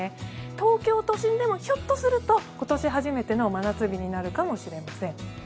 東京都心でもひょっとすると今年初めての真夏日になるかもしれません。